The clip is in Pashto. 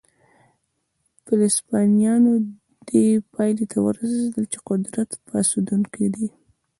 فلسفیانو دې پایلې ته ورسېدل چې قدرت فاسدونکی دی.